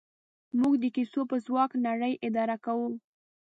موږ د کیسو په ځواک نړۍ اداره کوو.